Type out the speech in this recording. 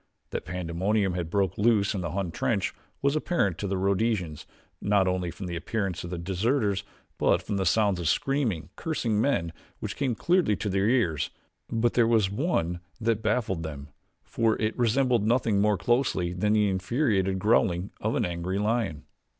That pandemonium had broken loose in the Hun trench was apparent to the Rhodesians not only from the appearance of the deserters, but from the sounds of screaming, cursing men which came clearly to their ears; but there was one that baffled them for it resembled nothing more closely than the infuriated growling of an angry lion.